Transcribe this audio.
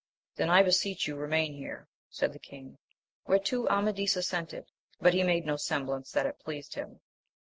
Then I beseech you remain here, said the king ; whereto Amadis assented, but he made no sem blance that it pleased him.